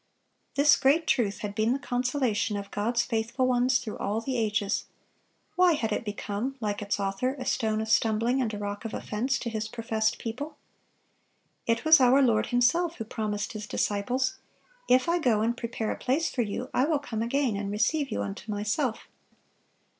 This great truth had been the consolation of God's faithful ones through all the ages; why had it become, like its Author, "a stone of stumbling and a rock of offense" to His professed people? It was our Lord Himself who promised His disciples, "If I go and prepare a place for you, I will come again, and receive you unto Myself."